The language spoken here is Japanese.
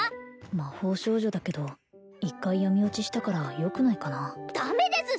魔法少女だけど一回闇堕ちしたからよくないかなダメです！